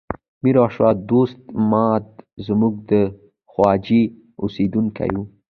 میر شو دوست ماد زموږ د ده خواجې اوسیدونکی و.